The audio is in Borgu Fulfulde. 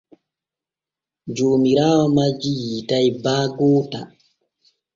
Joomiraawo majji yiitay baa goota.